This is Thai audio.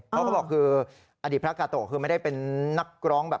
เขาบอกคืออดีตพระกาโตะคือไม่ได้เป็นนักร้องแบบ